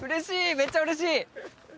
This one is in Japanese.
めっちゃ嬉しい！